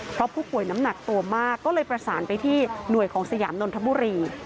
เพราะผู้ป่วยน้ำหนักตัวมากก็เลยประสานไปที่หน่วยของสยามนนทบุรี